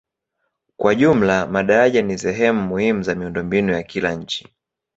Kwa jumla madaraja ni sehemu muhimu za miundombinu ya kila nchi.